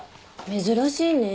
珍しいね。